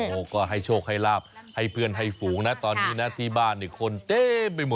โอ้โหก็ให้โชคให้ลาบให้เพื่อนให้ฝูงนะตอนนี้นะที่บ้านเนี่ยคนเต็มไปหมด